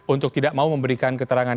untuk tidak mau memberikan keterangan